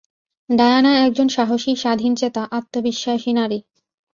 Diana একজন সাহসী স্বাধীনচেতা, আত্মবিশ্বাসী নারী।